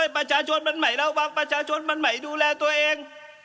ประชาชนมันใหม่ระวังประชาชนมันใหม่ดูแลตัวเอง